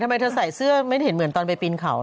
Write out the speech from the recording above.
ทำไมเธอใส่เสื้อไม่เห็นเหมือนตอนไปปีนเขา